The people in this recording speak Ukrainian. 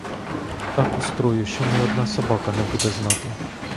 Так устрою, що ні одна собака не буде знати.